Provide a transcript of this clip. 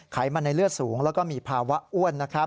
ไขมันในเลือดสูงแล้วก็มีภาวะอ้วนนะครับ